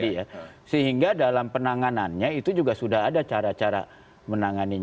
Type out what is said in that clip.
ya keniscayaan lah kalau disebut tadi ya sehingga dalam penanganannya itu juga sudah ada cara cara menanganinya gitu loh